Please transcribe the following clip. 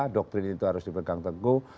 doktrin itu harus dipegang teguh